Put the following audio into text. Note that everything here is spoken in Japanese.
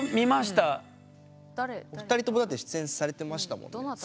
お二人ともだって出演されてましたもんね。